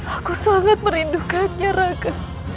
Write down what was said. aku sangat merindukannya rake